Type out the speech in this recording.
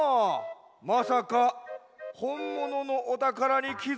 まさかほんもののおたからにきづかないとは。